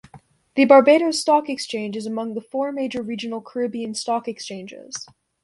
The Barbados Stock Exchange is among the four major regional Caribbean stock exchanges.